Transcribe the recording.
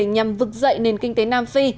nhằm vực dậy nền kinh tế nam phi